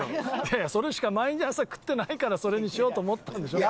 いやいやそれしか毎朝食ってないからそれにしようと思ったんでしょ？